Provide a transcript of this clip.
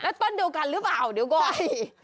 แล้วต้นเดียวกันหรือเปล่าเดี๋ยวก่อน